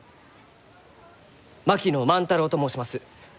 槙野万太郎と申します。